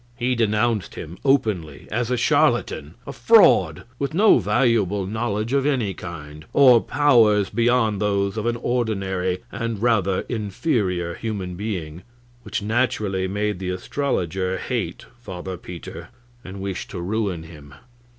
He denounced him openly as a charlatan a fraud with no valuable knowledge of any kind, or powers beyond those of an ordinary and rather inferior human being, which naturally made the astrologer hate Father Peter and wish to ruin him.